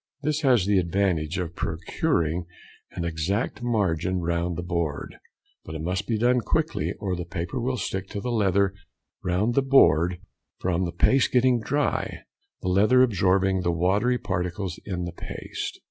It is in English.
This has the advantage of procuring an exact margin round the board, but it must be done quickly or the paper will stick to the leather round the board from the paste getting dry, the leather absorbing the watery particles in the paste.